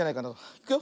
いくよ。